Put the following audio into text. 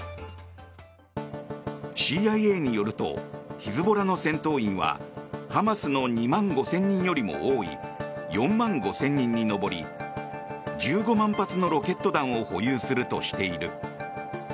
ＣＩＡによるとヒズボラの戦闘員はハマスの２万５０００人よりも多い４万５０００人に上り１５万発のロケット弾を保有するとしている。